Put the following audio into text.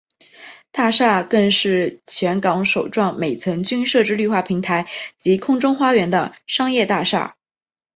大厦更是全港首幢每层均设置绿化平台及空中花园的商业大厦。